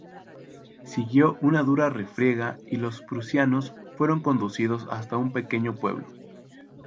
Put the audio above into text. Siguió una dura refriega y los prusianos fueron conducidos hasta un pequeño pueblo.